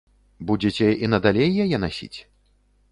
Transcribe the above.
Будзеце і надалей яе насіць?